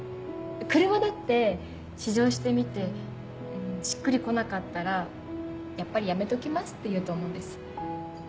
車だって試乗してみてしっくり来なかったら「やっぱりやめときます」って言うと思うんです。